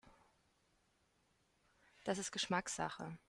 Das ist Geschmackssache.